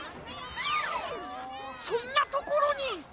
そんなところに。